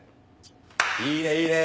いいねいいね。